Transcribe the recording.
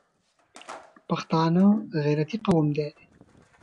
پښتانه غیرتي قوم دي